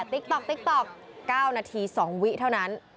ติ๊กต๊อก๙นาที๒วิเท่านั้น